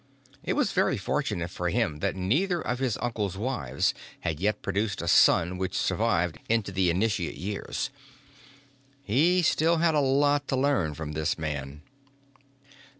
It was very fortunate for him that neither of his uncle's wives had yet produced a son which survived into the initiate years. He still had a lot to learn from this man.